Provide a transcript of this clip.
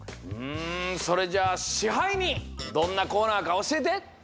うんそれじゃあ支配人どんなコーナーかおしえて！